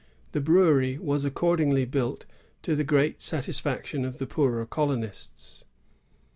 "^ The brewery was accordingly built, to the great satisfaction of the poorer colonists.